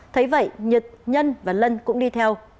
thấy vậy nhật nhân và lân cũng đi theo